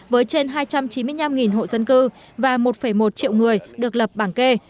với trên hai trăm chín mươi năm hộ dân cư và một một triệu người được lập bảng kê